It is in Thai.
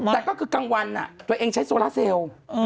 แต่ก็คือกลางวันตัวเองใช้โซลาเซล